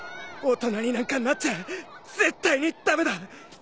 大人になんかなっちゃ絶対に駄目だ。